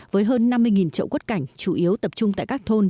với hơn năm mươi trậu quất cảnh chủ yếu tập trung tại các thôn